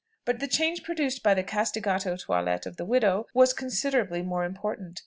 But the change produced by the castigato toilet of the widow was considerably more important.